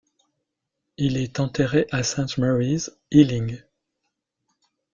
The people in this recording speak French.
Il est enterré à St Mary's, Ealing.